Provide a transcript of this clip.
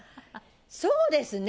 そうですね。